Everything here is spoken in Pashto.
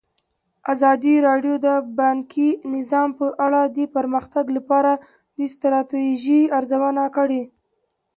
ازادي راډیو د بانکي نظام په اړه د پرمختګ لپاره د ستراتیژۍ ارزونه کړې.